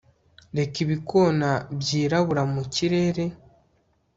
Reba ibikona byirabura mu kirere